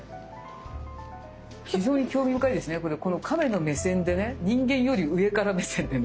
非常に興味深いですねこの亀の目線でね人間より上から目線でね